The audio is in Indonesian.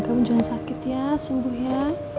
kamu jangan sakit ya sungguh ya